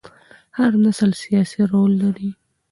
هر نسل سیاسي رول لري